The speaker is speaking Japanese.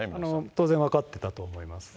当然分かってたと思います。